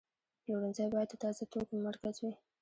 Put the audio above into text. پلورنځی باید د تازه توکو مرکز وي.